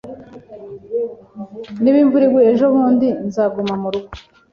Niba imvura iguye ejobundi, nzaguma murugo